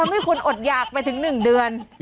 ทำให้คุณอดอยากไปถึงหนึ่งเดือน